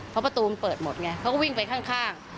เพราะประตูมันเปิดหมดไงเขาก็วิ่งไปข้าง